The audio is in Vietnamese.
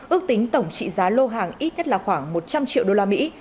ước tính tổng trị giá lô hàng ít nhất là khoảng một trăm linh triệu đô la mỹ